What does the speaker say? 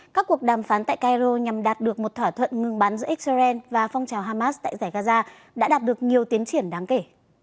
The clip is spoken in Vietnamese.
các cuộc đàm phán tại cairo nhằm đạt được một thỏa thuận ngừng bắn giữa israel và phong trào hamas tại giải gaza đã đạt được nhiều tiến triển đáng kể